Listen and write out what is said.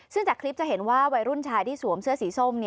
ซึ่งจากคลิปจะเห็นว่าวัยรุ่นชายที่สวมเสื้อสีส้ม